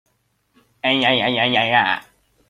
An mawtaw thar na hmu cang maw?